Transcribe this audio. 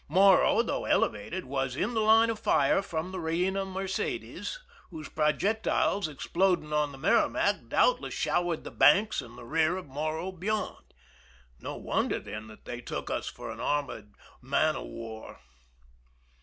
Morro, though elevated, was in the line of fire from the Beina Mercedes, whose projectiles, exploding on the Merrimac^ doubtless showered the banks and the rear of Morro beyond. No wonder, then, that they took us for an armored man of war.